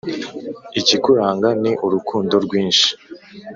ikikuranga ni urukundo rwinshi